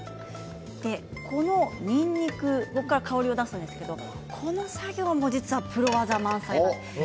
このにんにくここから香りを出しますがこの作業も実はプロ技満載なんです。